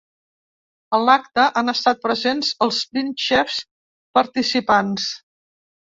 A l’acte, han estat presents els vint xefs participants.